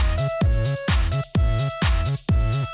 สวัสดี